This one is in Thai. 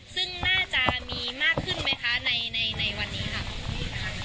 ซึ่งน่าจะมีมากขึ้นไหมคะในวันนี้ค่ะ